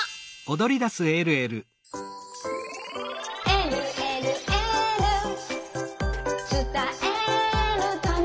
「えるえるエール」「つたえるために」